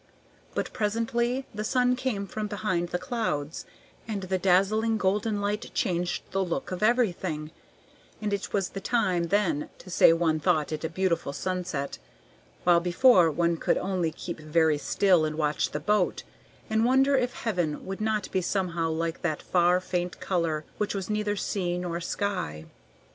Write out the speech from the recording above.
But presently the sun came from behind the clouds, and the dazzling golden light changed the look of everything, and it was the time then to say one thought it a beautiful sunset; while before one could only keep very still, and watch the boat, and wonder if heaven would not be somehow like that far, faint color, which was neither sea nor sky.